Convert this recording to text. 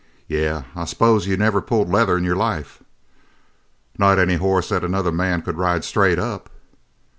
"Yeh I suppose you never pulled leather in your life?" "Not any hoss that another man could ride straight up."